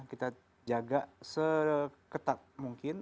kita jaga seketat mungkin